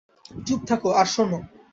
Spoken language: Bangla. চুপ থাকো আর শোনো।